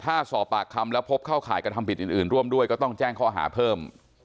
ถ้าสอบปากคำแล้วพบเข้าข่ายกระทำผิดอื่นร่วมด้วยก็ต้องแจ้งข้อหาเพิ่ม